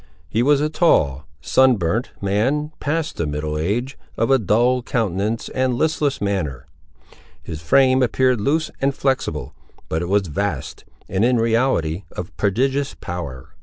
He was a tall, sun burnt, man, past the middle age, of a dull countenance and listless manner. His frame appeared loose and flexible; but it was vast, and in reality of prodigious power.